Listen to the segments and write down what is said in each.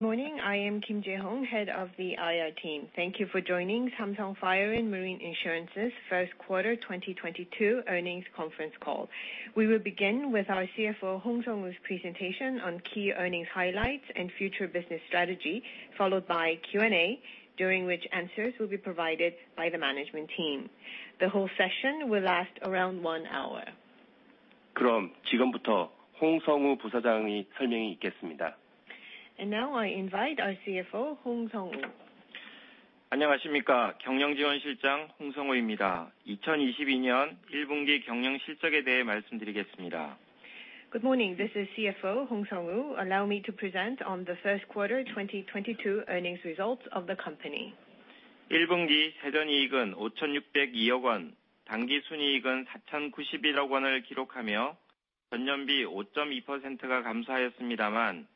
Good morning. I am Kim Jae-hong, head of the IR team. Thank you for joining Samsung Fire & Marine Insurance's Q1 2022 earnings conference call. We will begin with our CFO Hong Seong-woo's presentation on key earnings highlights and future business strategy, followed by Q&A, during which answers will be provided by the management team. The whole session will last around one hour. Now, I invite our CFO, Hong Seong-woo. Good morning, this is CFO Hong Seong-woo. Allow me to present on the Q1 2022 earnings results of the company. Q1 pre-tax profit was KRW 560.2 billion, with net profit at KRW 409.1 billion, down 5.2% year-over-year. Excluding the one-off profit in Q1 of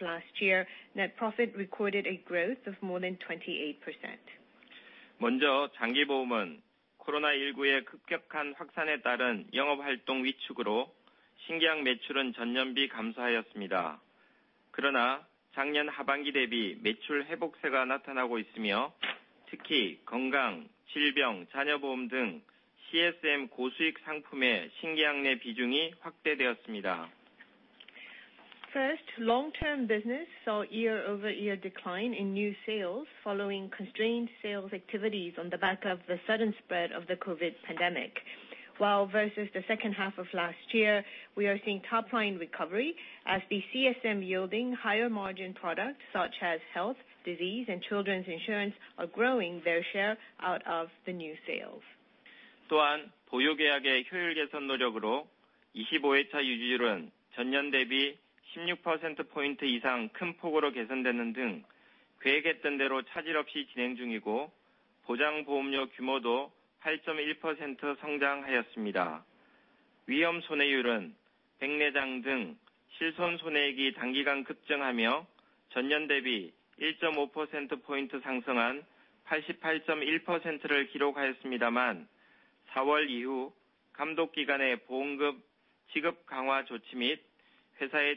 last year, net profit recorded a growth of more than 28%. First, long-term business saw year-over-year decline in new sales following constrained sales activities on the back of the sudden spread of the COVID pandemic. While versus the second half of last year, we are seeing top line recovery as the CSM-yielding higher margin products, such as health, disease, and children's insurance, are growing their share out of the new sales. Also, on the back of the effort to improve the efficiencies of the value in force, 25th month persistency ratio improved by more than 16 percentage points year-over-year, bonding well and in sync with the plan, while risk and loading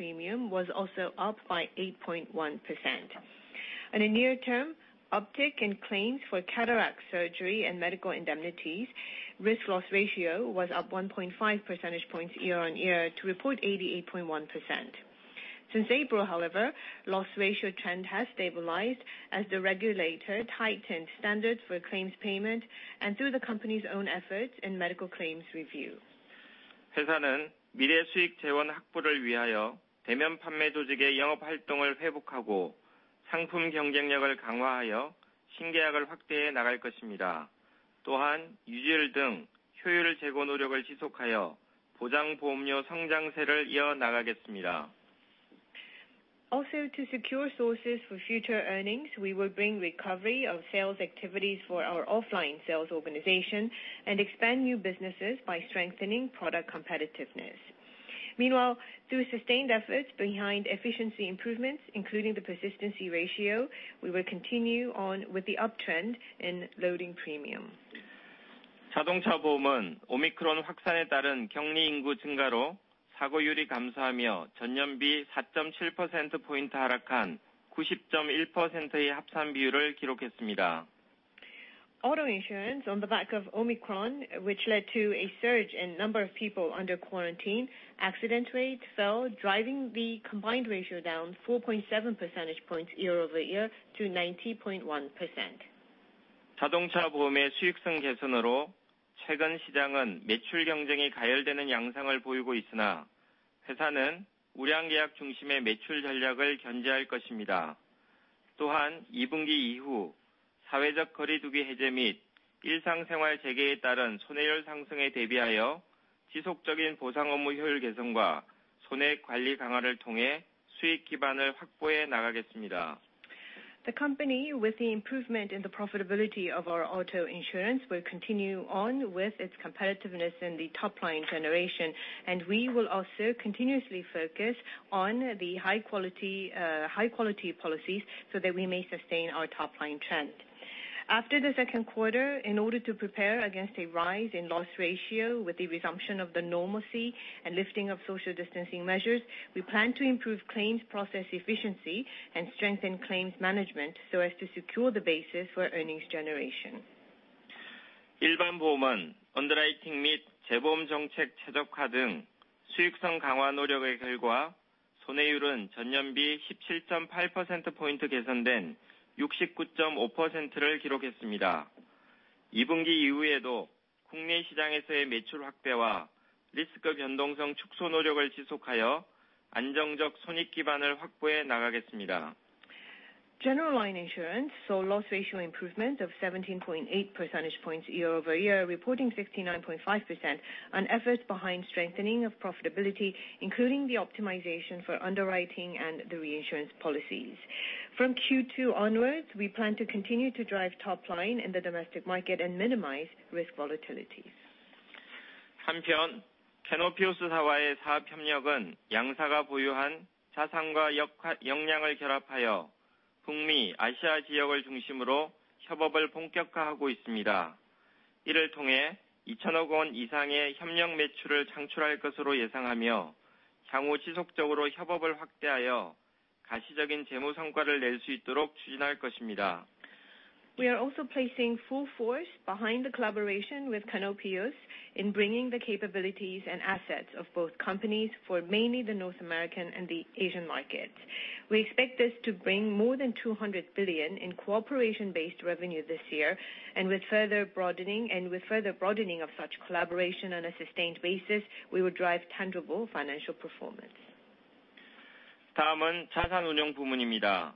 premium was also up by 8.1%. In the near term, uptick in claims for cataract surgery and medical indemnities, risk loss ratio was up 1.5 percentage points year-over-year to report 88.1%. Since April, however, loss ratio trend has stabilized as the regulator tightened standards for claims payment and through the company's own efforts in medical claims review. Also, to secure sources for future earnings, we will bring recovery of sales activities for our offline sales organization and expand new businesses by strengthening product competitiveness. Meanwhile, through sustained efforts behind efficiency improvements, including the persistency ratio, we will continue on with the uptrend in loading premium. Auto insurance on the back of Omicron, which led to a surge in number of people under quarantine, accident rates fell, driving the combined ratio down 4.7 % points year-over-year to 90.1%. The company, with the improvement in the profitability of our auto insurance, will continue on with its competitiveness in the top line generation, and we will also continuously focus on the high quality policies so that we may sustain our top line trend. After the second quarter, in order to prepare against a rise in loss ratio with the resumption of the normalcy and lifting of social distancing measures, we plan to improve claims process efficiency and strengthen claims management so as to secure the basis for earnings generation. 2분기 이후에도 국내 시장에서의 매출 확대와 리스크 변동성 축소 노력을 지속하여 안정적 손익 기반을 확보해 나가겠습니다. General line insurance saw loss ratio improvement of 17.8 percentage points year-over-year, reporting 69.5% on efforts behind strengthening of profitability, including the optimization for underwriting and the reinsurance policies. From Q2 onwards, we plan to continue to drive top line in the domestic market and minimize risk volatility. 한편, Canopius 사와의 사업 협력은 양 사가 보유한 자산과 역량을 결합하여 북미, 아시아 지역을 중심으로 협업을 본격화하고 있습니다. 이를 통해 2,000억 원 이상의 협력 매출을 창출할 것으로 예상하며, 향후 지속적으로 협업을 확대하여 가시적인 재무 성과를 낼수 있도록 추진할 것입니다. We are also placing full force behind the collaboration with Canopius in bringing the capabilities and assets of both companies for mainly the North American and the Asian markets. We expect this to bring more than 200 billion in cooperation-based revenue this year, and with further broadening of such collaboration on a sustained basis, we will drive tangible financial performance. 다음은 자산운용 부문입니다.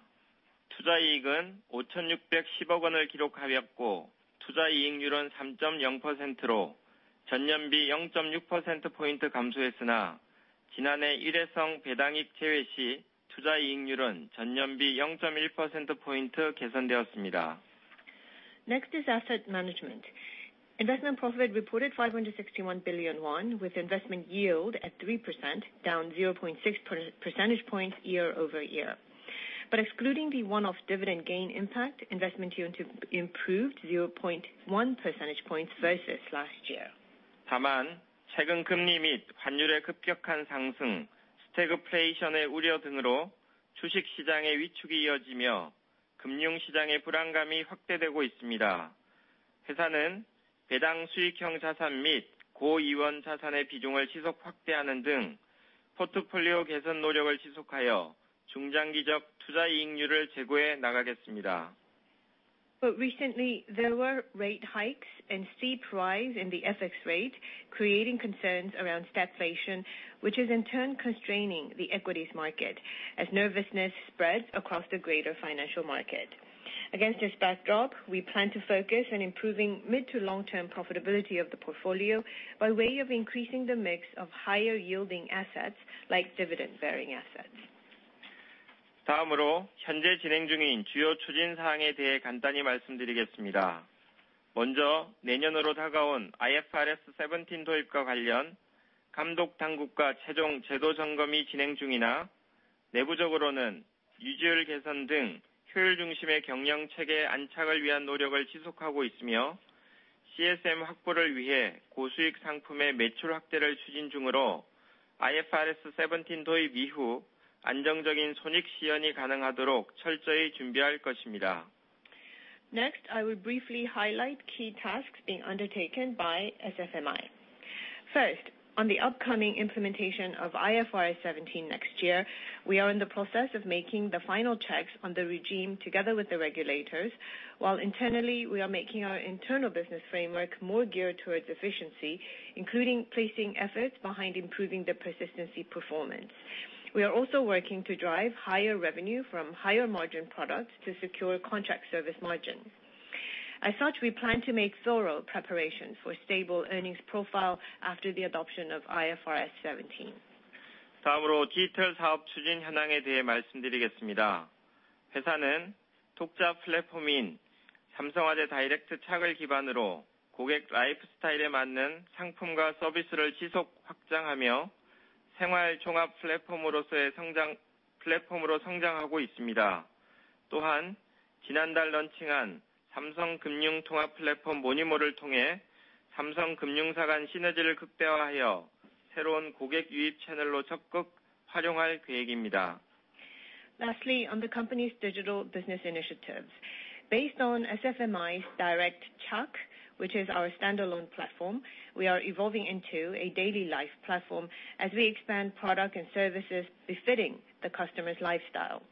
투자 이익은 5,610억 원을 기록하였고, 투자 이익률은 3.0%로 전년 比 0.6%p 감소했으나, 지난해 일회성 배당입 체외시 투자 이익률은 전년 比 0.1%p 개선되었습니다. Next is asset management. Investment profit reported 561 billion won, with investment yield at 3%, down 0.6 percentage points year-over-year. Excluding the one-off dividend gain impact, investment yield improved 0.1 percentage points versus last year. 다만 최근 금리 및 환율의 급격한 상승, 스태그플레이션의 우려 등으로 주식시장의 위축이 이어지며 금융시장의 불안감이 확대되고 있습니다. 회사는 배당 수익형 자산 및 고이원 자산의 비중을 지속 확대하는 등 포트폴리오 개선 노력을 지속하여 중장기적 투자 이익률을 제고해 나가겠습니다. Recently, there were rate hikes and steep rise in the FX rate, creating concerns around stagflation, which is in turn constraining the equities market as nervousness spreads across the greater financial market. Against this backdrop, we plan to focus on improving mid to long-term profitability of the portfolio by way of increasing the mix of higher yielding assets like dividend bearing assets. 다음으로 현재 진행 중인 주요 추진 사항에 대해 간단히 말씀드리겠습니다. 먼저 내년으로 다가온 IFRS 17 도입과 관련, 감독당국과 최종 제도 점검이 진행 중이나, 내부적으로는 유지율 개선 등 효율 중심의 경영 체계 안착을 위한 노력을 지속하고 있으며, CSM 확보를 위해 고수익 상품의 매출 확대를 추진 중으로 IFRS 17 도입 이후 안정적인 손익 시현이 가능하도록 철저히 준비할 것입니다. Next, I will briefly highlight key tasks being undertaken by SFMI. First, on the upcoming implementation of IFRS 17 next year, we are in the process of making the final checks on the regime together with the regulators, while internally, we are making our internal business framework more geared towards efficiency, including placing efforts behind improving the persistency performance. We are also working to drive higher revenue from higher margin products to secure contractual service margins. As such, we plan to make thorough preparations for stable earnings profile after the adoption of IFRS 17. 다음으로 디지털 사업 추진 현황에 대해 말씀드리겠습니다. 회사는 독자 플랫폼인 삼성화재 다이렉트 착을 기반으로 고객 라이프스타일에 맞는 상품과 서비스를 지속 확장하며 생활종합 플랫폼으로 성장하고 있습니다. 또한 지난달 런칭한 삼성금융통합플랫폼 모니모를 통해 삼성 금융사 간 시너지를 극대화하여 새로운 고객 유입 채널로 적극 활용할 계획입니다. Lastly, on the company's digital business initiatives. Based on SFMI's 다이렉트 착, which is our standalone platform, we are evolving into a daily life platform as we expand product and services befitting the customer's lifestyle.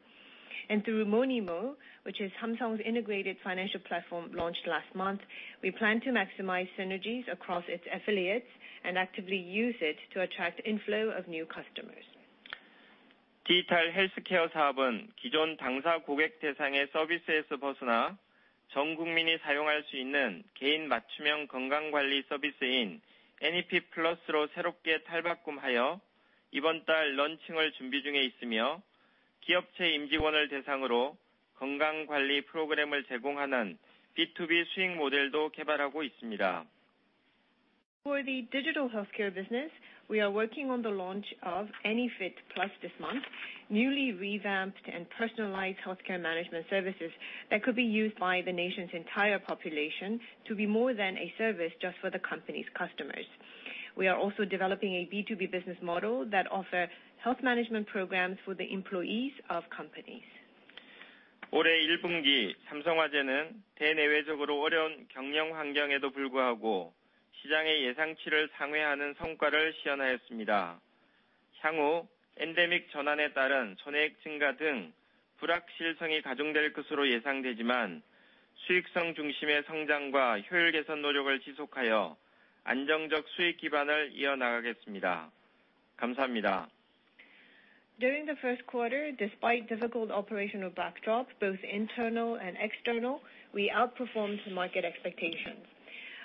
Through Monimo, which is Samsung's integrated financial platform launched last month, we plan to maximize synergies across its affiliates and actively use it to attract inflow of new customers. 디지털 헬스케어 사업은 기존 당사 고객 대상의 서비스에서 벗어나 전 국민이 사용할 수 있는 개인 맞춤형 건강관리 서비스인 Anyfit+로 새롭게 탈바꿈하여 이번 달 런칭을 준비 중에 있으며, 기업체 임직원을 대상으로 건강관리 프로그램을 제공하는 B2B 수익 모델도 개발하고 있습니다. For the digital healthcare business, we are working on the launch of Any fit+ this month, newly revamped and personalized healthcare management services that could be used by the nation's entire population to be more than a service just for the company's customers. We are also developing a B2B business model that offer health management programs for the employees of companies. 올해 1분기 삼성화재는 대내외적으로 어려운 경영 환경에도 불구하고 시장의 예상치를 상회하는 성과를 시현하였습니다. 향후 엔데믹 전환에 따른 손해액 증가 등 불확실성이 가중될 것으로 예상되지만, 수익성 중심의 성장과 효율 개선 노력을 지속하여 안정적 수익 기반을 이어나가겠습니다. 감사합니다. During the first quarter, despite difficult operational backdrop, both internal and external, we outperformed market expectations.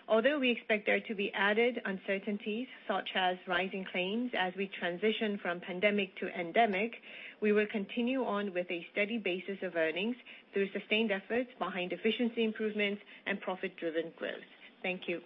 Although we expect there to be added uncertainties such as rising claims as we transition from pandemic to endemic, we will continue on with a steady basis of earnings through sustained efforts behind efficiency improvements and profit-driven growth. Thank you.